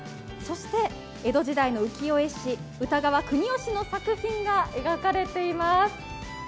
そして江戸時代の浮世絵師、歌川国芳氏の作品が描かれています。